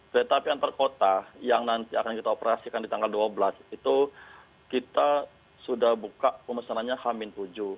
kereta api antar kota yang nanti akan kita operasikan di tanggal dua belas itu kita sudah buka pemesanannya hamin tujuh